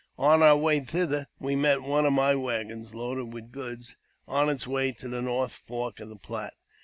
On our way thither we met one of my waggons, loaded with goods, on its way to the North Fork of the Platte.